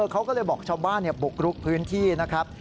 เขาก็เลยบอกชาวบ้านบุกรุกพื้นที่นะครับ